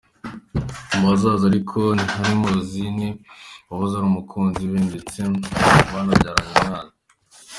Mu bazaza ariko ntiharimo Rosine wahoze ari umukunzi we ndetse banabyaranye umwana.